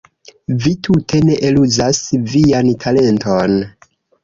Vi tute ne eluzas vian talenton.